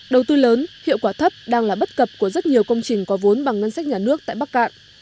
đầu tư lớn hiệu quả thấp đang là bất cập của rất nhiều công trình có vốn bằng ngân sách nhà nước tại bắc cạn